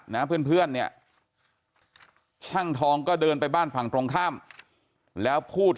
นะเพื่อนเนี่ยช่างทองก็เดินไปบ้านฝั่งตรงข้ามแล้วพูด